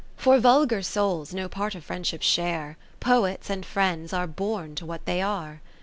(56O For vulgar souls no part of Friend ship share : Poets and friends are born to what they are.